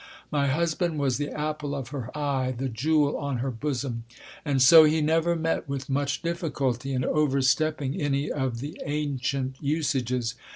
My husband was the apple of her eye, the jewel on her bosom. And so he never met with much difficulty in overstepping any of the ancient usages.